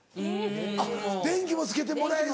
あっ電気もつけてもらえず。